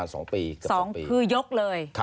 สองคือยกเลย